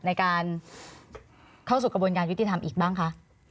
ในการเข้าสู่กระบวนการยุติธรรมอีกบ้างคะ